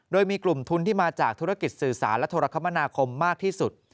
โดยมีกลุ่มทุนที่มาจากธุรกิจสื่อสารและโทรคมนาคมมากที่สุด